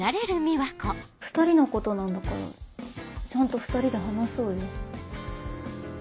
２人のことなんだからちゃんと２人で話そうよ。